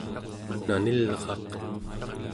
nanilraq